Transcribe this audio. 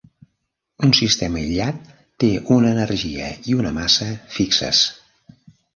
Un sistema aïllat té una energia i una massa fixes.